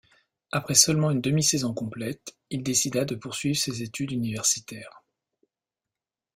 Après seulement une demi-saison complète, il décida de poursuivre ses études universitaires.